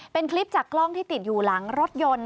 เป็นคลิปจากกล้องที่ติดอยู่หลังรถยนต์